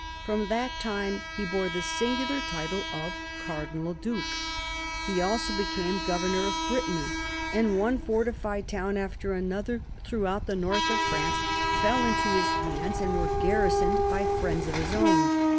From that time he bore the singular title of " Cardinal Due." He also became governor of Brittany ; and one fortified town after another, throughout the north of France, fell into his hands and were garrisoned by friends of his own.